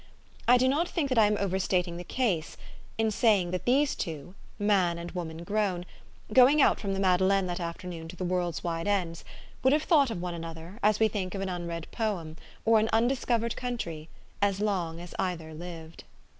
I do not think that I am overstating the case, in saying that these two, man and woman grown, going out from the Made leine that afternoon to the world's wide ends, would have thought of one another, as we think of an unread poem, or an undiscovered country, as long either lived.